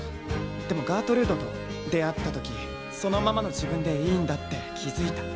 でもガートルードと出会った時そのままの自分でいいんだって気付いた。